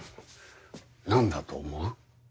何だと思う？